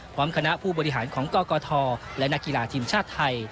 พร้อมคณะผู้บริหารของกกทและนักกีฬาทีมชาติไทย